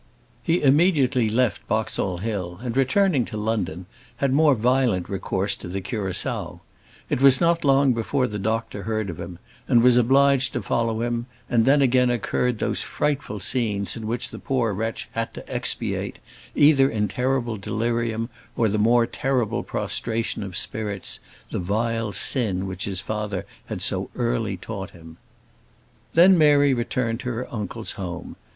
He immediately left Boxall Hill, and, returning to London, had more violent recourse to the curaçoa. It was not long before the doctor heard of him, and was obliged to follow him, and then again occurred those frightful scenes in which the poor wretch had to expiate, either in terrible delirium or more terrible prostration of spirits, the vile sin which his father had so early taught him. Then Mary returned to her uncle's home.